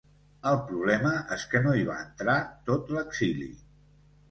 El problema és que no hi va entrar tot l’exili.